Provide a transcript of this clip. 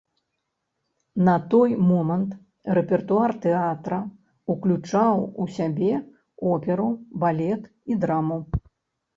На той момант рэпертуар тэатра уключаў у сябе оперу, балет і драму.